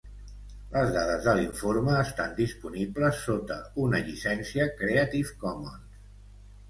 Les dades de l'informe estan disponibles sota una llicència Creative Commons.